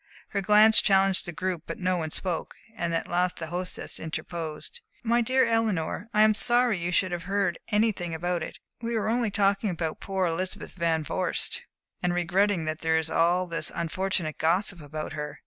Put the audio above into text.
Her glance challenged the group, but no one spoke and at last the hostess interposed. "My dear Eleanor, I'm sorry you should have heard anything about it. We were only talking about poor Elizabeth Van Vorst, and regretting that there is all this unfortunate gossip about her.